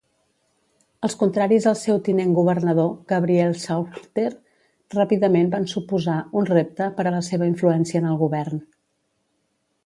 Els contraris al seu tinent governador, Gabriel Slaughter, ràpidament van suposar un repte per a la seva influència en el govern.